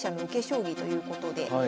将棋ということで。